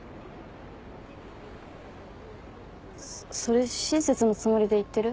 それ親切のつもりで言ってる？